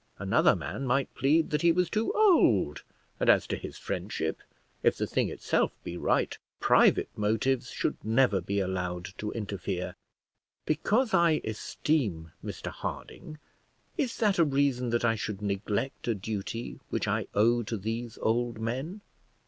Another man might plead that he was too old; and as to his friendship, if the thing itself be right, private motives should never be allowed to interfere. Because I esteem Mr Harding, is that a reason that I should neglect a duty which I owe to these old men?